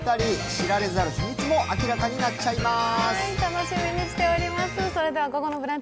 知られざる秘密も明らかになっちゃいます。